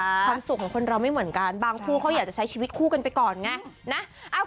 ความสุขของคนเราไม่เหมือนกันบางคู่เขาอยากจะใช้ชีวิตคู่กันไปก่อนไงนะ